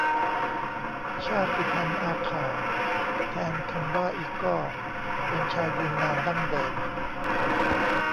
ชาติพันธุ์อาข่า แทนคำว่าอีก้อ เป็นชาวยูนนานดั้งเดิม